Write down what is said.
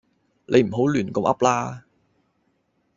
你唔好亂咁噏啦